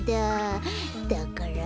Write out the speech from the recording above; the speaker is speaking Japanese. だから。